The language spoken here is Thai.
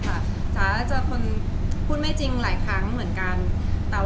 ไม่ว่าจะมีปัญหาเรื่องอะไรก็ตาม